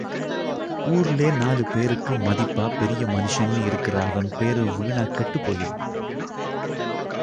ஊருலே நாலு பேருக்கு, மதிப்பா பெரிய மனுஷென்னு இருக்கிற அவெம் பேரு வீணாக் கெட்டுப் போயிடும்.